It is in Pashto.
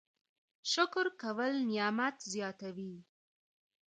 شکر کول نعمت زیاتوي